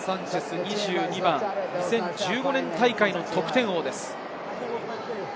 ２０１５年大会の得点王です。